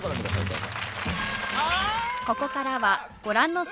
どうぞ。